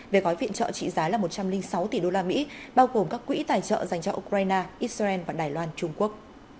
về gói viện trợ trị giá là một trăm linh sáu tỷ usd bao gồm các quỹ tài trợ dành cho ukraine israel và đài loan trung quốc